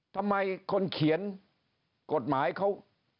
ทำไมคนเขียนกฎหมายเขา